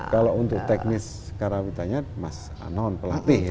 kalau untuk teknis karawitanya mas anon pelatih ya